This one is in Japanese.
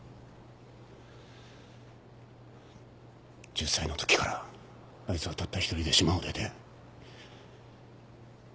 １０歳のときからあいつはたった一人で島を出て。